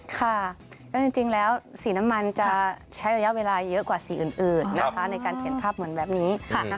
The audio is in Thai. ค่ะแล้วจริงแล้วสีน้ำมันจะใช้ระยะเวลาเยอะกว่าสีอื่นในการเขียนภาพเหมือนแบบนี้